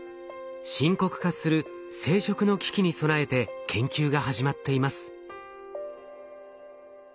深刻化する生殖の危機に備えて研究が始まっています。